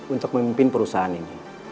untuk memimpin perusahaan ini